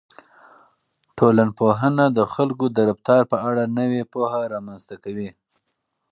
ټولنپوهنه د خلکو د رفتار په اړه نوې پوهه رامنځته کوي.